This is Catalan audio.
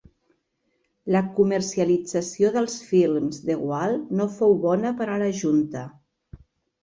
La comercialització dels films de Gual no fou bona per a la Junta.